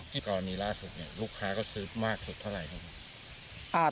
ตอนนี้ล่าสุดลูกค้าก็ซื้อมากสุดเท่าไรครับ